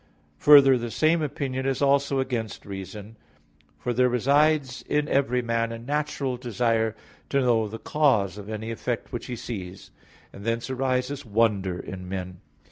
Further the same opinion is also against reason. For there resides in every man a natural desire to know the cause of any effect which he sees; and thence arises wonder in men.